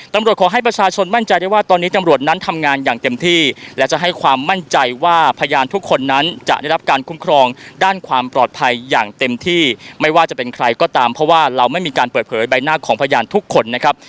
ขอให้ประชาชนมั่นใจได้ว่าตอนนี้ตำรวจนั้นทำงานอย่างเต็มที่และจะให้ความมั่นใจว่าพยานทุกคนนั้นจะได้รับการคุ้มครองด้านความปลอดภัยอย่างเต็มที่ไม่ว่าจะเป็นใครก็ตามเพราะว่าเราไม่มีการเปิดเผยใบหน้าของพยานทุกคนนะครับ